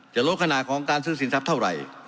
ลดขนาดของการซื้อสินทรัพย์เท่าไหร่